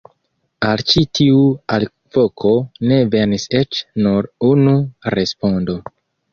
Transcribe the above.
Al ĉi tiu alvoko ne venis eĉ nur unu respondo!